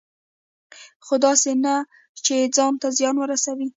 خو داسې نه چې ځان ته زیان ورسوي.